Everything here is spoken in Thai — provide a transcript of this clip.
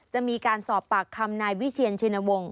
จะมีการสอบปากคำนายวิเชียนชินวงศ